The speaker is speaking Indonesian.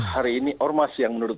hari ini ormas yang menurut